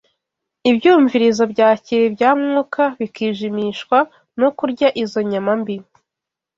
ibyumvirizo byakira ibya Mwuka bikijimishwa no kurya izo nyama mbi.